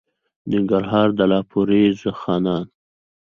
ننګرهار؛ د لالپورې خانان